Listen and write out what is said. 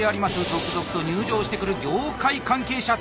続々と入場してくる業界関係者たち。